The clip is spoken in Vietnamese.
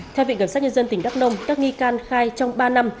theo vị cảnh sát nhân dân tỉnh đắk nông các nghi can khai trong ba năm